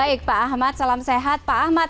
baik pak ahmad salam sehat pak ahmad